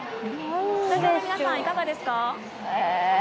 スタジオの皆さん、いかがですか？